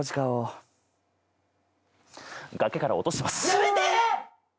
やめて！